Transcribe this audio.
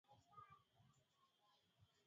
Wewe ni mrefu.